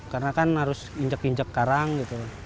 karena kan harus incek incek karang gitu